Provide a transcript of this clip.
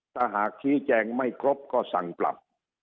ถ้าหากชี้แจงไม่ครบก็สั่งปรับ